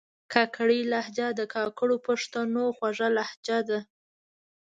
کاکړۍ لهجه د کاکړو پښتنو خوږه لهجه ده